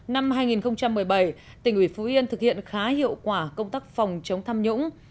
năm hai nghìn một mươi bảy tỉnh ủy phú yên thực hiện khá hiệu quả công tác phòng chống tham nhũng